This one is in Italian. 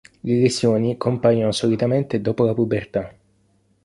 Le lesioni compaiono solitamente dopo la pubertà.